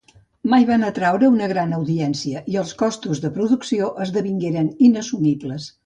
Mai van atraure una gran audiència, i els costos de producció esdevingueren inassumibles.